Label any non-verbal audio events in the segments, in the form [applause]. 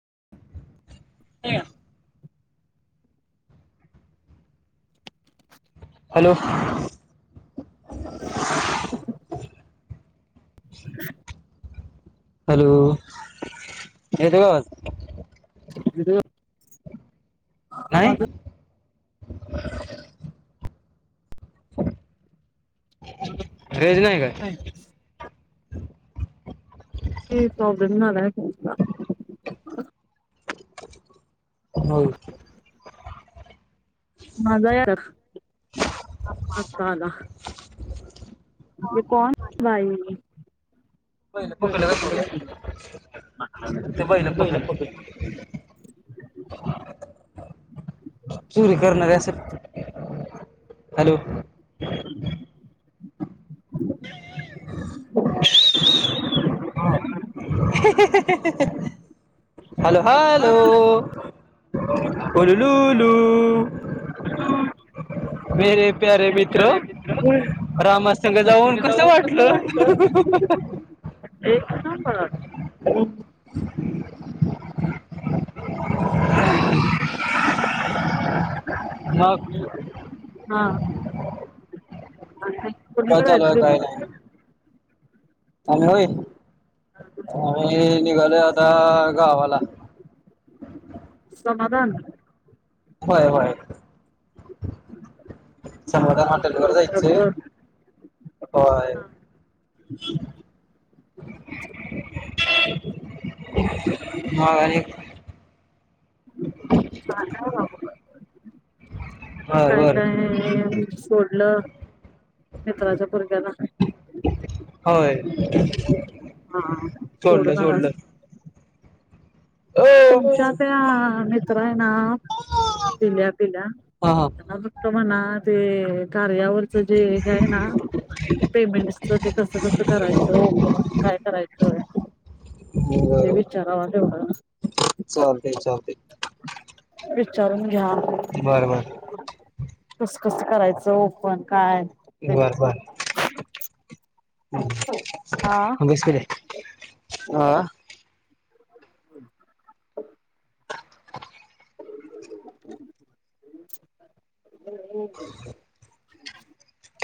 [inaudible] Hello [inaudible] hello येतोय का आवाज? नाही [inaudible] रेंज नाही काय [inaudible] ते प्रॉब्लेम झालाय फोनचा. होय मजा [unintelligible] अता आला ते कोण बाई बैल पहिल पकडलं का बघूया चुकलं ते बैल पकडलं [unintelligible] [inaudible] चोरी करणारी असल. हॅलो [inaudible] हॅलो हॅलो उल्लू लू लू. [inaudible] [inaudible] मेरे प्यारे मित्र रामासंघ जाऊन कस वाटलं? एकं नंबर. मग हां काय चालूय ऍक्च्युली काय नाही. आणि होय आम्ही निघालो आता गावाला. समाधान. होय होय. समाधान [unintelligible] [unintelligible] जायच होय. मग आणिक हां हां. म बर काय बर काय. सोडलं मित्राच्या भरोश्यावर. होय हा सोडलं सोडून आला सोडलं. अ तुमच्या त्या मित्र आहे ना जिल्हात. तिला. हा हा. तर म्हणा ते कार्यावरच जे हे आहे ना पेमेंटच ते कसं कस करायचं ओपन काय करायचं ते बरोबर विचाराव तेवढं? चालतेय चालतेय. विचारून घ्या? बर बर. कस कस करायचं ओपन काय? ते बर बर. हा म बइस किरे. हां. हम् [inaudible] [inaudible]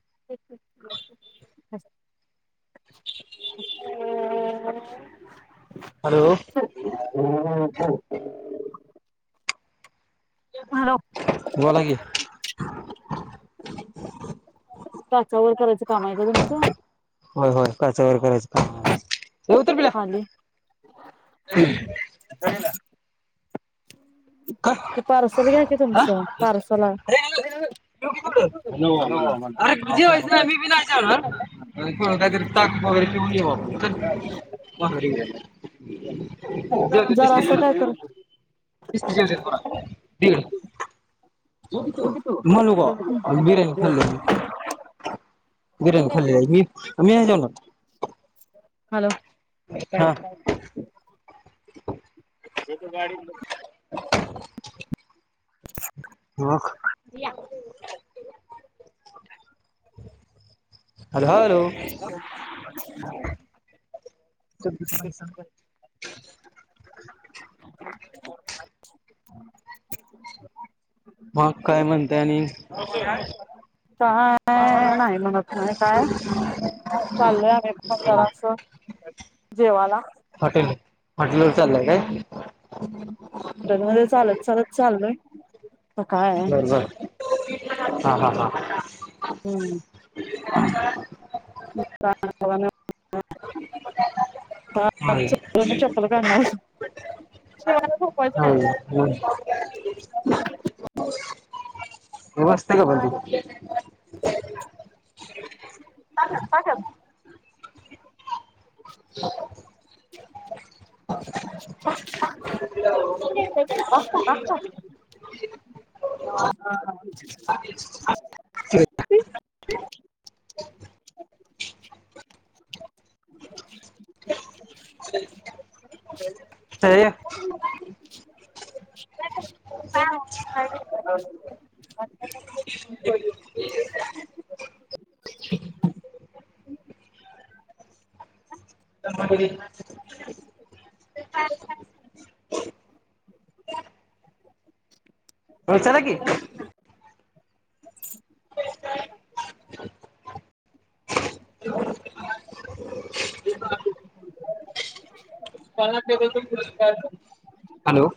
[inaudible] हॅलो. [unintelligible] हॅलो. बोला की. टाचा वर करायचं काम आहे का तुमचं? होय होय काचावर करायचं काम आहे आमचं. ऊतर पिल्या. खाली [unintelligible] ते ते पार्सल घ्या की तुमचं पार्सल आलं. अरे जेवायचं ना मी बी नाय जेवला पुढ काहीतरी ताक वगैरे पिऊन येऊ आपण जरा असं काय कर चल [unintelligible] ठिक हे. म्हनुन मला नको आम्ही बिर्याणी खाल्ली म्हणून. बिर्याणी खाल्ली मी मी नाही जेवणार. हॅलो. हा [inaudible] [inaudible] एका गाडीत बस. [inaudible] ह [inaudible] ओळख. [inaudible] मग काय म्हणताय आणिक काय नाही म्हणतं नाही काय चाललंय आम्ही बाहेर असं जरास जेवाला. हॉटेल हॉटेलवर चाललंय काय? [unintelligible] चालत चालत चाललोय तर काय बरं झालं. हा हां हां हम्म अं अं [unintelligible] ह च म चप्पल करणार शवाय झोपयच हा [inaudible] हो व्यवस्थित का पण तु पाठव. [inaudible] [inaudible] [unintelligible] हां हां [unintelligible] [unintelligible] [unintelligible] [unintelligible] [unintelligible] होय चलाकी. [inaudible] पाना table [unintelligible] hello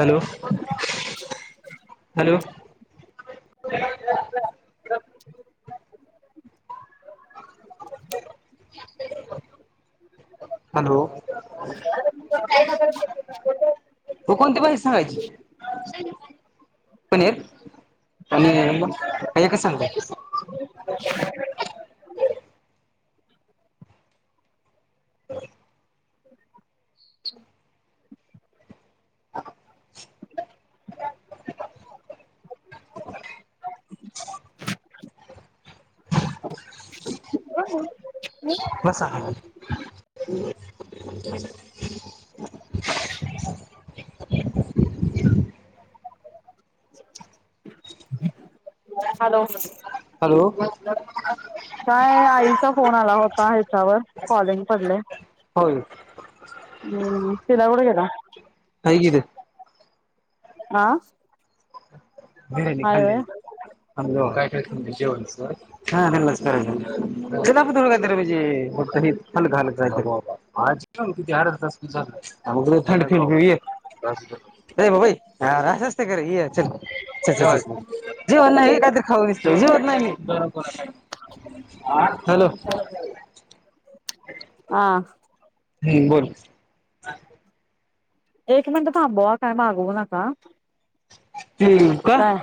hello hello [unintelligible] hello [unintelligible] हो कोणती भाजी सांगायची? पनीर. आणि मग काय एकाच सांगताय. [inaudible] [unintelligible] बसा. [inaudible] हॅलो हॅलो काय आई चा फोन आला होता ह्याच्यावर कॉलिंग पडलय. होय. हम्म पिल्या कुठ गेला? आहे की हितच आं बिर्याणी खाल्ली [unintelligible] हा हा करायचं कधी कधी हालक हलक आज अर्धा तास झालं आवाज लय येतोय. थंड पिऊन घेऊ ये आर आस असतं का ये चल चल जेवन नाही काहीत तर खाऊ येतो जेवत नाही मी हॅलो हां हम् बोल एक मिनिटं थांबवा काय मागवू नका. हम् का काय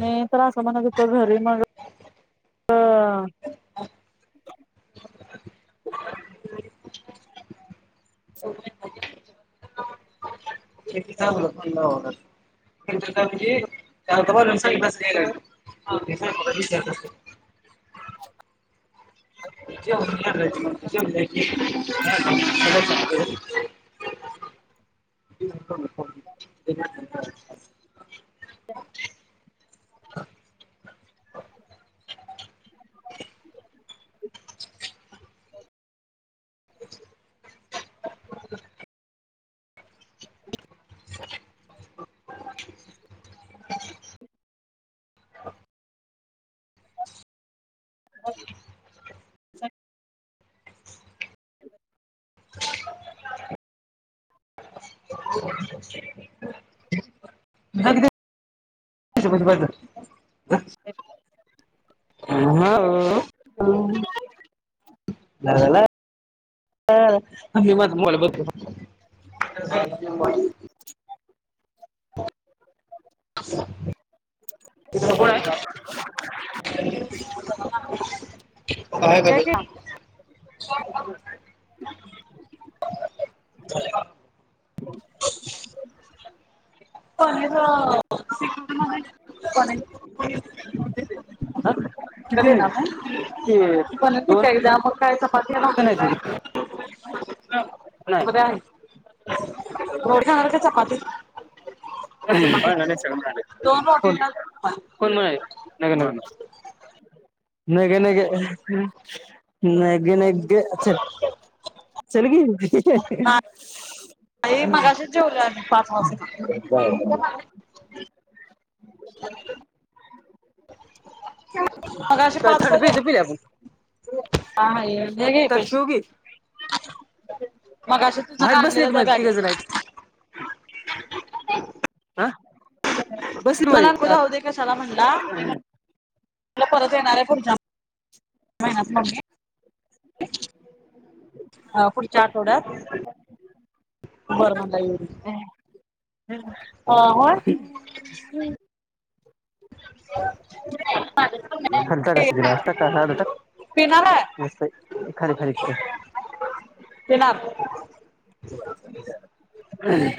मी तर आस म्हणत घरी मग अं [unintelligible] चांगलं पाहिजे [unintelligible] जेव जेवल्याती [unintelligible] [inaudible] [inaudible] [inaudible] [inaudible] [unintelligible] [unintelligible] [unintelligible] [unintelligible] हॉलो ला ला ला ला थांब मी माजा मोबाईल बघतो. [inaudible] बाहेर घे आलोय. की. [inaudible] [inaudible] पनीर अं रेसिपी किती कडे नाही ना मग ते कोण [unintelligible] दोन काय मग नाही [unintelligible] [inaudible] बर आहे. रोटी खाणार काय चपाती. [unintelligible] चपाती दोन कोण रोटी आणि चपाती म्हणायला नि नग नग, नग. नग, नग, चल, चल घेऊन. आई मगाशीच जेवले आम्ही पाच वाजता. [unintelligible] मगाशी पाच थर्ड हजार पेज पिले आपण हा हे घे शिव की पैसे, मगाशी तुझ हात बसलेत काढलेलंच तुझं मध्ये तिघ जण आहेत बॅगेतन. हा [unintelligible] बसले मला मध्ये आक्का आत. राहूदे कशाला म्हणला. मला परत येणार आहे पुढच्या महिन्यात मम्मी. हा पुढच्या आठवड्यात बर म्हणला. अ होय ह. खाली टाक असं गिलास टाक का- आडू टाक पिणारहाय खाली खाली पिणार. हम्.